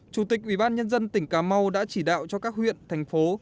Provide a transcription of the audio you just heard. chủ tịch ubnd tỉnh cà mau đã chỉ đạo cho các huyện thành phố